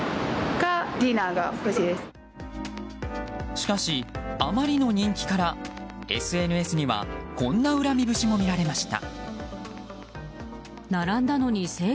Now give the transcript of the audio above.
しかし、あまりの人気からＳＮＳにはこんな恨み節も見られました。